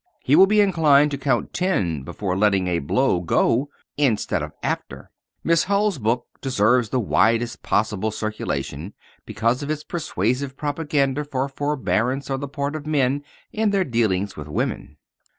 He will be inclined to count ten before letting a blow go instead of after. Miss Hull's book deserves the widest possible circulation because of its persuasive propaganda for forebearance on the part of men in their dealings with women.